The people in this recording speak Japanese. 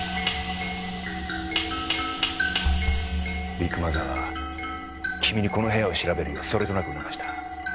ビッグマザーは君にこの部屋を調べるようそれとなく促した。